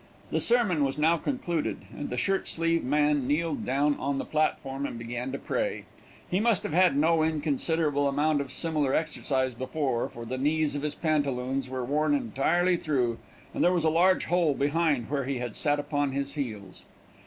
The sermon was now concluded, and the shirt sleeve man kneeled down on the platform and began to pray; he must have had no inconsiderable amount of similar exercise before, for the knees of his pantaloons were worn entirely through, and there was a large hole behind where he had sat upon his heels.